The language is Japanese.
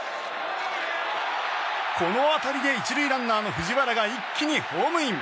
この当たりで１塁ランナーの藤原が一気にホームイン！